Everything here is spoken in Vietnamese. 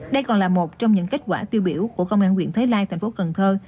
đây còn là một trong những kết quả tiêu biểu của công an quyện thới lai thành phố cần thơ